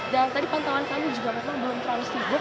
dan tadi pantauan kami juga memang belum terlalu sibuk